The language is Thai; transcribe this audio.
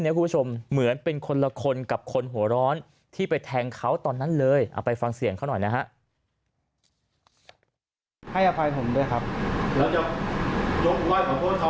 ไม่จะยกไว้ขอโทษเขาพูดกับเขาเอายังไงดี